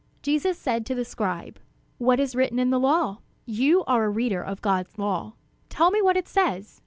Jesus said to the scribe: "What is written in the law? You are a reader of God's law; tell me what it says."